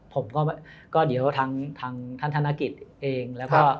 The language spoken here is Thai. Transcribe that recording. ผมก็เดี๋ยวทางทางทัน้ากิจเอง